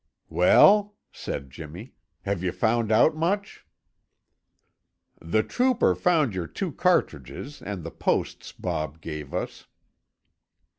"Well?" said Jimmy. "Have you found out much?" "The trooper found your two cartridges and the posts Bob gave us.